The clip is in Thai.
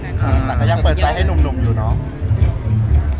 แต่ก็ยังเปิดใจให้หนุ่มอยู่เนาะ